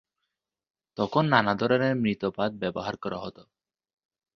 তখন নানা ধরনের মৃৎপাত্র ব্যবহার করা হত।